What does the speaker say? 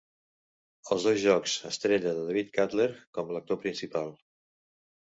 Els dos jocs Estrella de David Calder com l'actor principal.